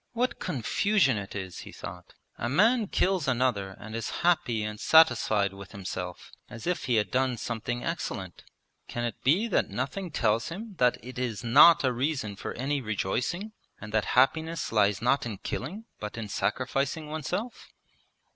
'What confusion it is,' he thought. 'A man kills another and is happy and satisfied with himself as if he had done something excellent. Can it be that nothing tells him that it is not a reason for any rejoicing, and that happiness lies not in killing, but in sacrificing oneself?'